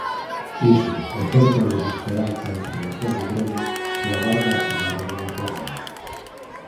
Iso, e certa desesperanza entre o pobo grego que agarda a chegada dun acordo.